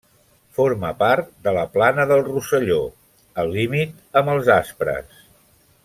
Forma part de la Plana del Rosselló, al límit amb els Aspres.